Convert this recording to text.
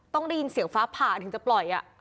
ต้องได้ยินเสียงฟ้าผ่าถึงจะปล่อย